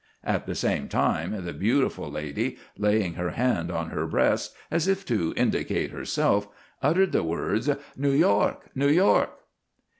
At the same time the beautiful lady, laying her hand on her breast as if to indicate herself, uttered the words: "New York! New York!"